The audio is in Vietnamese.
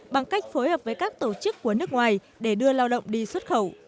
bằng cách phối hợp với các tổ chức của nước ngoài để đưa lao động đi xuất khẩu